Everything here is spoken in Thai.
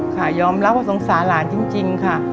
ค่ะยอมรับว่าสงสารหลานจริงค่ะ